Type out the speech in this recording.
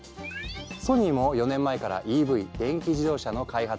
ソニーも４年前からＥＶ電気自動車の開発をスタート。